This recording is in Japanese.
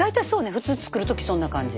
普通作る時そんな感じ。